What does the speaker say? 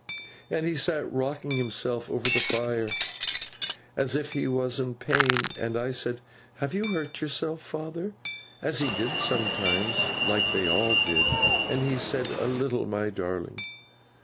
And he sat rocking himself over the fire, as if he was in pain. And I said, "Have you hurt yourself, father?" (as he did sometimes, like they all did), and he said, "A little, my darling."